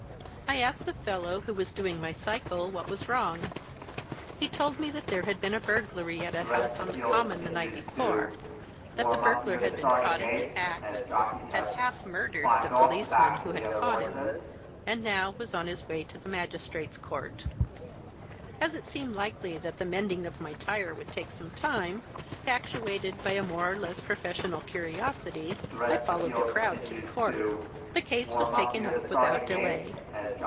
"I asked the fellow who was doing my cycle what was wrong. He told me that there had been a burglary at a house on the Common the night before, that the burglar had been caught in the act, had half murdered the policeman who had caught him, and was now on his way to the magistrate's court. "As it seemed likely that the mending of my tyre would take some time, actuated by a more or less professional curiosity, I followed the crowd to the court. "The case was taken up without delay.